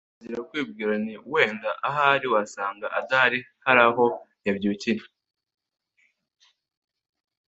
ntagira kwibwira nti wenda ahari wasanga adahari haraho yabyukiye